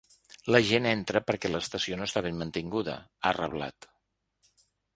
La gent entra perquè l’estació no està ben mantinguda, ha reblat.